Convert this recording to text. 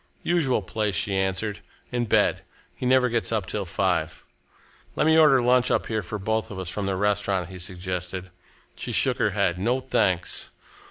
"Usual place," she answered, "in bed. He never gets up till five." "Let me order lunch up here for both of us, from the restaurant," he suggested. She shook her head. "No, thanks!"